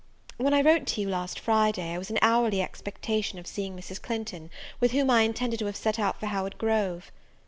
When I wrote to you last Friday, I was in hourly expectation of seeing Mrs. Clinton, with whom I intended to have set out for Howard Grove.